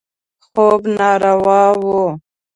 خوب ناروا و.